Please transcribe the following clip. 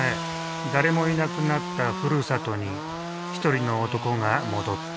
誰もいなくなったふるさとに一人の男が戻った。